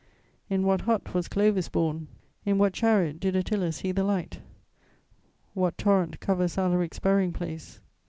In what hut was Clovis born? In what chariot did Attila see the light? What torrent covers Alaric's burying place?